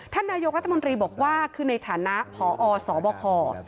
ท่านนายกรัฐมนตรีบอกว่าคือในฐานะพอสบค